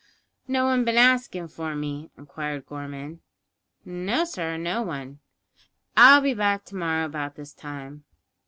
"No one bin askin' for me?" inquired Gorman. "No, sir; no one." "I'll be back to morrow about this time."